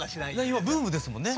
今ブームですもんね。